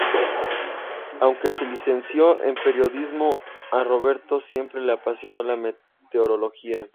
Aunque se licenció en periodismo, a Roberto siempre le apasionó la meteorología.